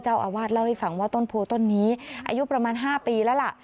เจ้าอาวาสเล่าให้ฟังว่าต้นโพต้นนี้อายุประมาณ๕ปีแล้วล่ะ